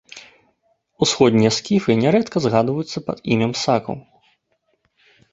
Усходнія скіфы нярэдка згадваюцца пад імем сакаў.